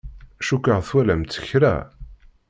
Cukkeɣ twalamt kra.